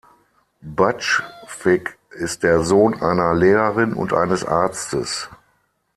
Butch Vig ist der Sohn einer Lehrerin und eines Arztes.